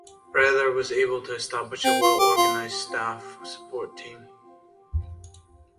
Berthier was able to establish a well-organized staff support team.